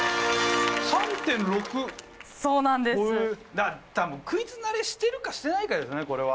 だから多分クイズ慣れしてるかしてないかですねこれは。